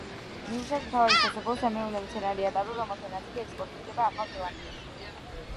ნიუეს მთავარი სასოფლო-სამეურნეო მცენარეა ტარო, რომელთა ნაწილი ექსპორტირდება ახალ ზელანდიაში.